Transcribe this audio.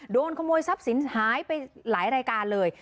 โดนขโมยทรัพย์สินหายไปหลายรายการเลย